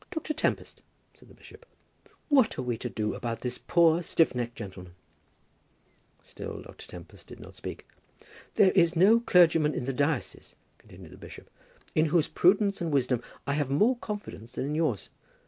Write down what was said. "Dr. Tempest," said the bishop, "what are we to do about this poor stiff necked gentleman?" Still Dr. Tempest did not speak. "There is no clergyman in the diocese," continued the bishop, "in whose prudence and wisdom I have more confidence than in yours.